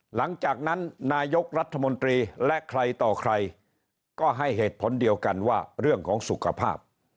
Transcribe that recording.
หลังจากนั้นนายกรัฐมนตรีและใครต่อใครก็ให้เหตุผลเดียวกันว่าเรื่องของสุขภาพ